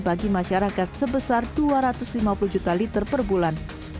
bagi masyarakat sebesar dua ratus lima puluh juta liter per bulan